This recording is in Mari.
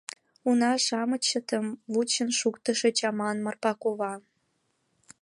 — Уна-шамычетым вучен шуктышыч аман, Марпа кува.